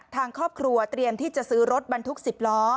ทางครอบครัวเตรียมที่จะซื้อรถบรรทุก๑๐ล้อ